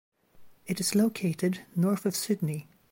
It is located north of Sydney.